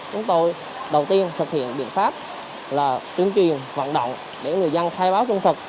chúng tôi đầu tiên thực hiện biện pháp là truyền truyền vận động để người dân thay báo chung thực